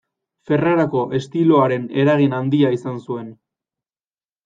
Ferrarako estiloaren eragin handia izan zuen.